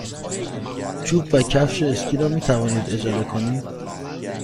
چوب و کفش اسکی را می توانید اجاره کنید.